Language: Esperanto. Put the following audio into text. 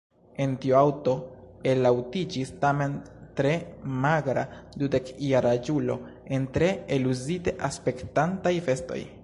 El tiu aŭto elaŭtiĝis tamen tre magra dudekjaraĝulo en tre eluzite aspektantaj vestoj.